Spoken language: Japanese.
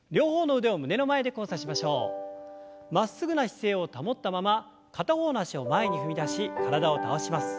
まっすぐな姿勢を保ったまま片方の脚を前に踏み出し体を倒します。